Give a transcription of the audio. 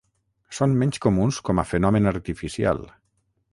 Són menys comuns com a fenomen artificial.